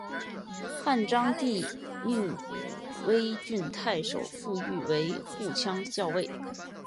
汉章帝命武威郡太守傅育为护羌校尉。